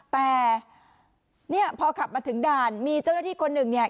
แต่เนี่ยพอขับมาถึงด่านมีเจ้าหน้าที่คนหนึ่งเนี่ย